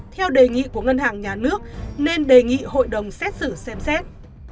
theo đề nghị của ngân hàng nhà nước nên đề nghị hội đồng xét xử xem xét